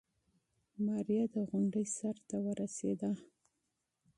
ماريا د غونډۍ سر ته ورسېده.